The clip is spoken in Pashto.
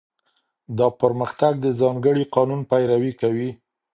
دا پرمختګ د ځانګړي قانون پیروي کوي.